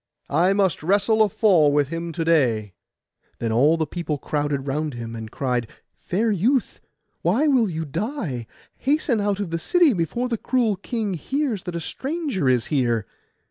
I must wrestle a fall with him to day.' Then all the people crowded round him, and cried, 'Fair youth, why will you die? Hasten out of the city, before the cruel king hears that a stranger is here.